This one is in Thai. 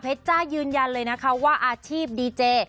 จ้ายืนยันเลยนะคะว่าอาชีพดีเจ